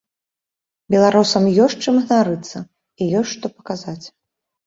Беларусам ёсць чым ганарыцца і ёсць што паказаць.